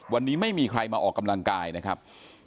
วันนี้ไม่มีใครมาออกกำลังกายนะครับ